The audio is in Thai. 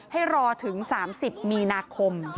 ให้รอถึง๓๐มีนาคม